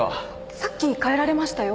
さっき帰られましたよ